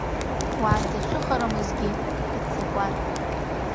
Уанӡа шыхарамызгьы, дыццакуан.